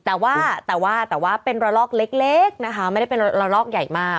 แต่ว่าเป็นระลอกเล็กนะคะไม่ได้เป็นระลอกใหญ่มาก